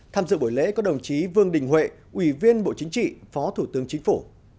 tham dự buổi lễ có đồng chí vương đình huệ ủy viên bộ chính trị phó thủ tướng chính phủ